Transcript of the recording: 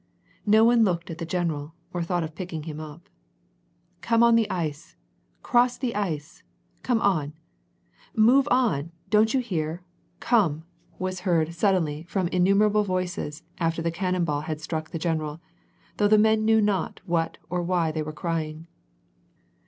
No one looked at the general or thought of picking him up. " Come on the ice !"—" Cross the ice !"—" Come on 1" —'^ Move on ! Don't you hear ? Come !" was heard suddenly WAk AND PEACE. 866 from inQumeTable voices, after the cannon ball had strack the general ; though the men knew not what or whj they were crying.